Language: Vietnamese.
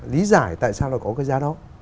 lý giải tại sao nó có cái giá đó